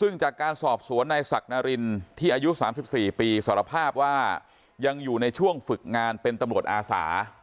ซึ่งจากการสอบสวนในศักดิ์นารินที่อายุ๓๔ปีสารภาพว่ายังอยู่ในช่วงฝึกงานเป็นตำรวจอาสา